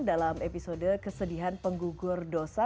dalam episode kesedihan penggugur dosa